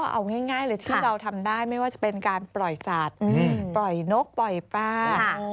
เอาง่ายเลยที่เราทำได้ไม่ว่าจะเป็นการปล่อยสัตว์ปล่อยนกปล่อยปลา